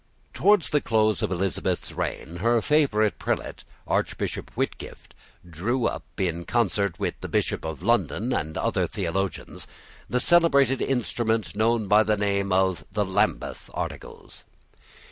Towards the close of Elizabeth's reign her favourite prelate, Archbishop Whitgift, drew up, in concert with the Bishop of London and other theologians, the celebrated instrument known by the name of the Lambeth Articles.